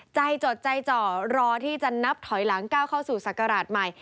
จดใจจ่อรอที่จะนับถอยหลังก้าวเข้าสู่ศักราชใหม่